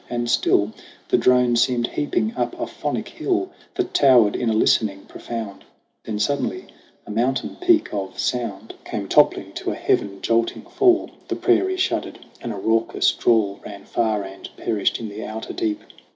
And still The drone seemed heaping up a phonic hill That towered in a listening profound. Then suddenly a mountain peak of sound E 50 SONG OF HUGH GLASS Came toppling to a heaven jolting fall ! The prairie shuddered, and a raucous drawl Ran far and perished in the outer deep.